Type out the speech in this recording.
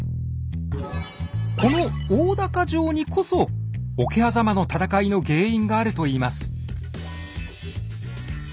この大高城にこそ桶狭間の戦いの原因があるといいます。